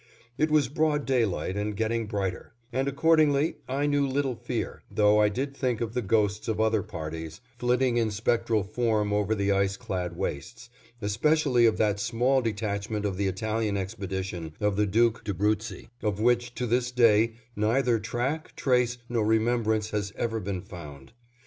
It was broad daylight and getting brighter, and accordingly I knew little fear, though I did think of the ghosts of other parties, flitting in spectral form over the ice clad wastes, especially of that small detachment of the Italian expedition of the Duke D'Abruzzi, of which to this day neither track, trace, nor remembrance has ever been found.